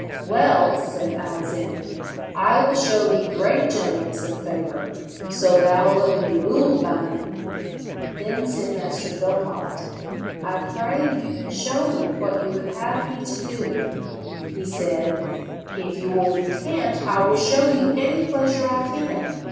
'Well,' said Alexander, 'I will show thee great gentleness and favour, so thou wilt be ruled by me.' Then said Master Philpot, 'I pray you show me what you would have me to do.' He said, 'If you will recant I will show you any pleasure I can.'